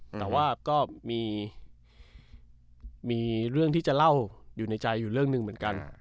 แต่ว่าก็มีเรื่องที่จะเล่าอยู่ในใจอยู่เรื่องหนึ่งเหมือนกัน